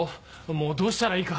もうどうしたらいいか。